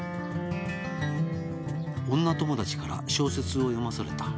「女友達から小説を読まされた」